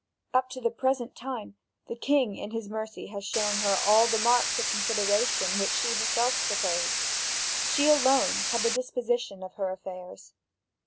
Up to the present time the king in his mercy has shown her all the marks of consideration which she herself proposed. She alone had the disposition of her affairs.